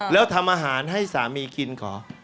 แล้วทำอาหารให้สามีกินขอ